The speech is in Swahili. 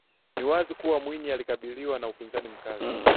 Ni wazi kuwa Mwinyi alikabiliwa na upinzani mkali